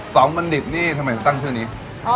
สองมันดิบนี่ทำไมตั้งชื่อนี้